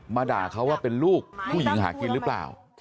ด่าเขาว่าเป็นลูกผู้หญิงหากินหรือเปล่า